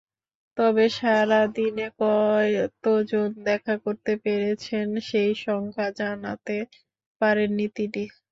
তবে সারা দিনে কতজন দেখা করতে পেরেছেন, সেই সংখ্যা জানাতে পারেননি তিনি।